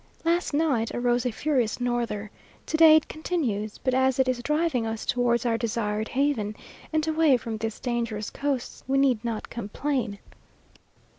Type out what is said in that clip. Last night arose a furious norther. To day it continues; but as it is driving us towards our desired haven, and away from these dangerous coasts, we need not complain.